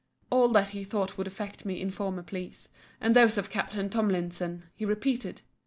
All that he thought would affect me in former pleas, and those of Capt. Tomlinson, he repeated.